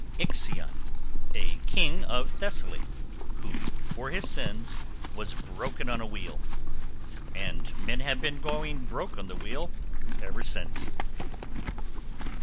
=IXION. A king of Thessaly, who for his sins was broken on a wheel. =And men have been going broke on "the wheel" ever since.